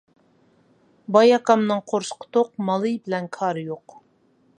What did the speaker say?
باي ئاكامنىڭ قورسىقى توق مالىيى بىلەن كارى يوق.